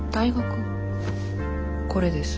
これです。